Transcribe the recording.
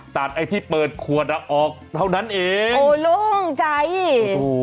ไอ้ที่เปิดขวดอ่ะออกเท่านั้นเองโอ้โล่งใจโอ้โห